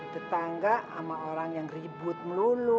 tetangga sama orang yang ribut melulu